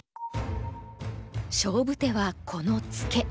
勝負手はこのツケ。